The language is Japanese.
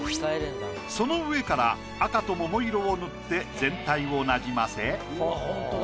その上から赤ともも色を塗って全体を馴染ませ